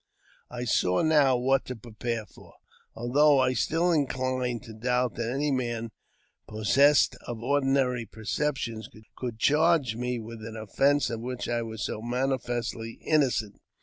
I saw now what to prepare for, although I still inclined to doubt that any man, possessed of ordinary perceptions, could charge me with an offence of which I was so manifestly inno cent.